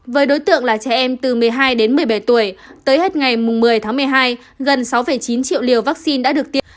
với đối tượng là trẻ em từ một mươi hai đến một mươi bảy tuổi tới hết ngày một mươi tháng một mươi hai gần sáu chín triệu liều vaccine đã được tiêm